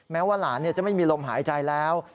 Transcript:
แม้ว่าหลานจะไม่มีลมหายใจแล้ว